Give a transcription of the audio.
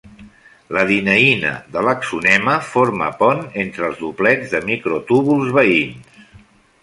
La dineïna de l'axonema forma ponts entre els doblets de microtúbuls veïns.